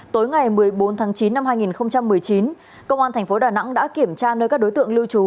tối ngày một mươi bốn tháng chín năm hai nghìn một mươi chín công an thành phố đà nẵng đã kiểm tra nơi các đối tượng lưu trú